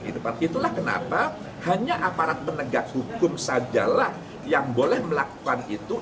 dan itu adalah kenapa hanya aparat penegak hukum sajalah yang boleh melakukan itu